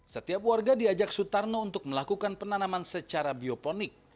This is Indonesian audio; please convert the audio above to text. setiap warga diajak sutarno untuk melakukan penanaman secara bioponik